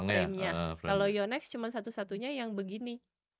kalau yonex cuma satu satunya yang begini